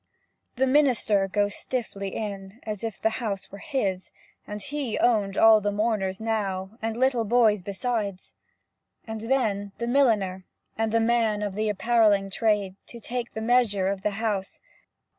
The minister goes stiffly in As if the house were his, And he owned all the mourners now, And little boys besides; And then the milliner, and the man Of the appalling trade, To take the measure of the house.